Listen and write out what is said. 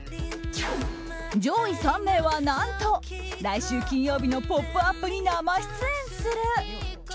上位３名は何と来週金曜日の「ポップＵＰ！」に生出演する。